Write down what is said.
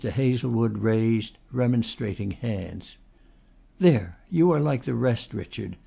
Hazlewood raised remonstrating hands. "There! You are like the rest, Richard.